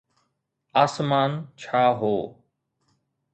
آسمان ڇا هو؟